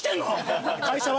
会社は？